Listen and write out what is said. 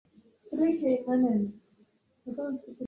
Waliishi katika Bonde la Ufa na katikati ya Kenya.